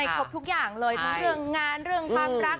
ครบทุกอย่างเลยทั้งเรื่องงานเรื่องความรัก